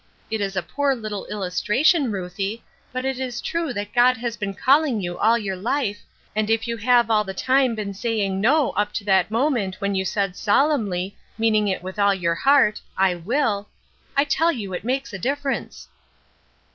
It is a poor little illustration, Ruthie, but it is true that God has been calling you all your life, and if you have all the time been saying 'No,' up to that moment when you said solemnly, meaning it with all your heart, 'I will,' I tell you it makes a difference."